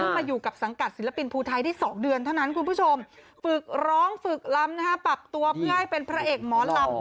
มาอยู่กับสังกัดศิลปินภูไทยได้๒เดือนเท่านั้นคุณผู้ชมฝึกร้องฝึกลำปรับตัวเพื่อให้เป็นพระเอกหมอลำ